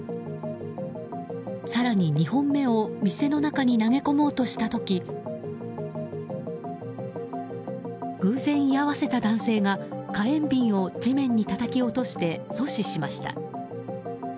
更に２本目を店の中に投げ込もうとした時偶然、居合わせた男性が火炎瓶を地面にたたき落として阻止しました。